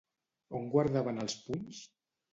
On guardaven els punys?